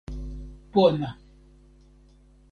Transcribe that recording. pona!